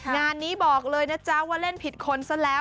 งานนี้บอกเลยนะจ๊ะว่าเล่นผิดคนซะแล้ว